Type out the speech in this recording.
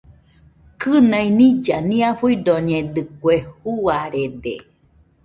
Kɨnai nilla nia fuidoñedɨkue, juarede.